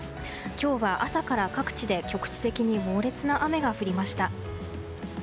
今日は朝から各地で局地的に猛烈な雨が降りました。